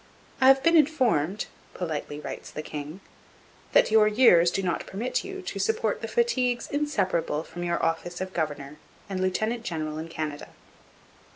'I have been informed,' politely writes the king, 'that your years do not permit you to support the fatigues inseparable from your office of governor and lieutenant general in Canada.'